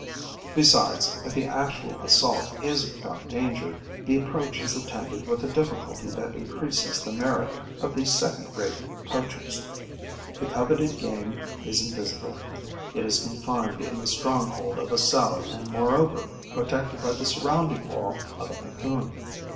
Besides, if the actual assault is without danger, the approach is attended with a difficulty that increases the merit of these second rate poachers. The coveted game is invisible. It is confined in the stronghold of a cell and moreover protected by the surrounding wall of a cocoon.